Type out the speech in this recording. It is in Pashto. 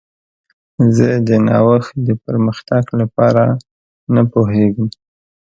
زه د نوښت د پرمختګ لپاره نه پوهیږم.